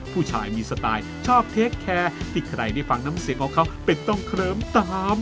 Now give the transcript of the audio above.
ผู้ชายมีสไตล์ชอบเทคแคร์ที่ใครได้ฟังน้ำเสียงของเขาเป็นต้องเคลิ้มตาม